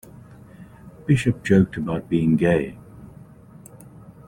Bishop joked about being gay.